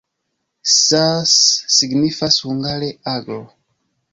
Sas signifas hungare: aglo.